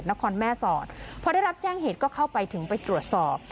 นครแม่สอดพอได้รับแจ้งเหตุก็เข้าไปถึงไปตรวจสอบ